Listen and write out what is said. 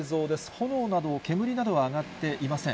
炎など、煙などは上がっていません。